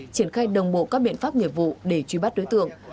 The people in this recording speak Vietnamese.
triển khai đồng bộ các biện pháp nghiệp vụ để truy bắt đối tượng